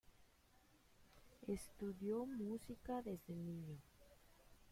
Estudió música desde niño.